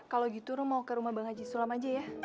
kalau gitu ruh mau ke rumah bang haji sulam aja ya